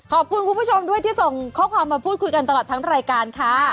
คุณผู้ชมด้วยที่ส่งข้อความมาพูดคุยกันตลอดทั้งรายการค่ะ